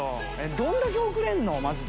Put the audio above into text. どんだけ遅れんの？